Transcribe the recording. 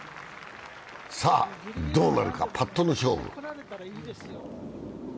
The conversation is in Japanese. さぁ、どうなるか、パットの勝負。